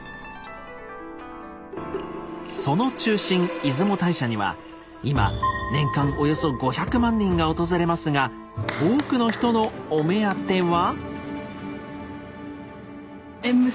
その中心出雲大社には今年間およそ５００万人が訪れますが多くの人のお目当ては。